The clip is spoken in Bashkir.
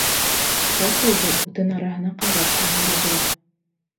Факелды утын араһына ҡаҙап ҡуйһаң да була.